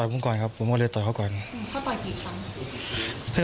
พี่เขาลงมาจากรถ